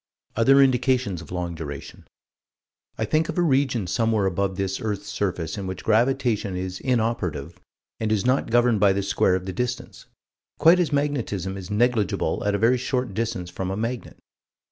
Other indications of long duration. I think of a region somewhere above this earth's surface in which gravitation is inoperative and is not governed by the square of the distance quite as magnetism is negligible at a very short distance from a magnet.